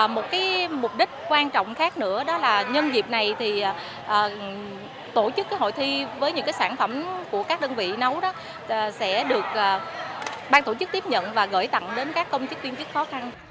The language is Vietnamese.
một mục đích quan trọng khác nữa đó là nhân dịp này thì tổ chức hội thi với những sản phẩm của các đơn vị nấu đó sẽ được ban tổ chức tiếp nhận và gửi tặng đến các công chức viên chức khó khăn